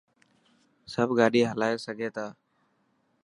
سب گاڏي هلائي سگهان ٿا.